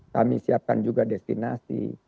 kami siapkan juga destinasi